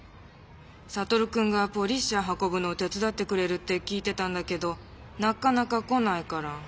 サトルくんがポリッシャー運ぶの手つだってくれるって聞いてたんだけどなかなか来ないから。